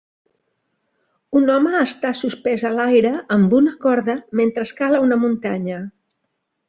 Un home està suspès a l'aire amb una corda mentre escala una muntanya.